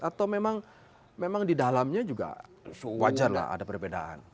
atau memang di dalamnya juga wajar lah ada perbedaan